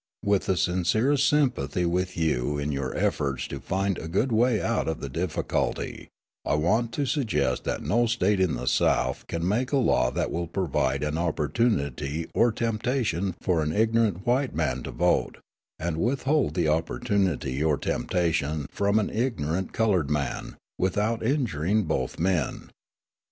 With the sincerest sympathy with you in your efforts to find a good way out of the difficulty, I want to suggest that no State in the South can make a law that will provide an opportunity or temptation for an ignorant white man to vote, and withhold the opportunity or temptation from an ignorant coloured man, without injuring both men.